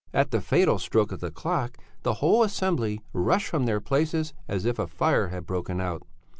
At the fatal stroke of the clock the whole assembly rushed from their places as if a fire had broken out.